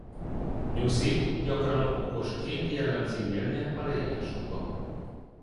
Nyuszit gyakran okosként jellemzi Milne a leírásokban.